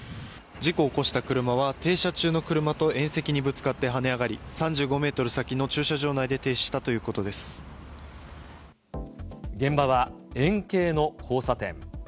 事故を起こした車は、停車中の車と縁石にぶつかって跳ね上がり、３５メートル先の駐車現場は、円形の交差点。